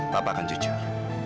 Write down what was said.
papa akan jujur